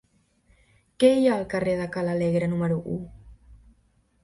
Què hi ha al carrer de Ca l'Alegre número u?